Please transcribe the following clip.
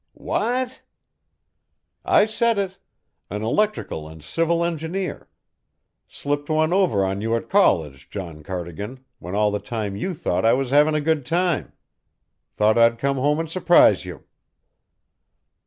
"What!" "I said it. An electrical and civil engineer. Slipped one over on you at college, John Cardigan, when all the time you thought I was having a good time. Thought I'd come home and surprise you."